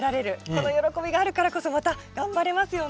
この喜びがあるからこそまた頑張れますよね。